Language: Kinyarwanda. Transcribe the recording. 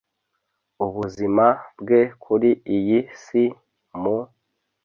ubuzima bwe kuri iyi si, mu